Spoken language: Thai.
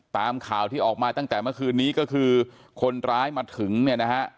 ตามข่าวที่ออกมาตั้งแต่เมื่อคืนนี้ก็คือคนร้ายมาถึงเนี่ยนะฮะ